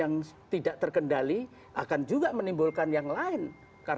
atau keberadaannegan faedah apa